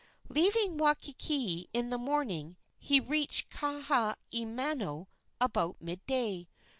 Leaving Waikiki in the morning, he reached Kahaiamano about midday.